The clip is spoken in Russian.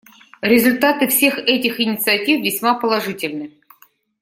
Результаты всех этих инициатив весьма положительны.